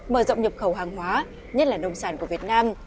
mở rộng nhập khẩu hàng hóa nhất là nông sản của việt nam